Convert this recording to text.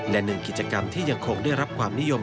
และหนึ่งกิจกรรมที่ยังคงได้รับความนิยม